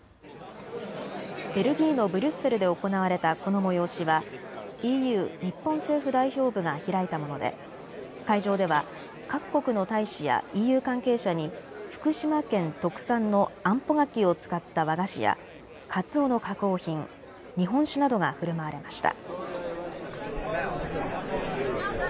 ベルギーのブリュッセルで行われたこの催しはＥＵ日本政府代表部が開いたもので会場では各国の大使やＥＵ関係者に福島県特産のあんぽ柿を使った和菓子やカツオの加工品、日本酒などがふるまわれました。